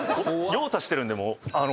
用を足してるんでもうあの。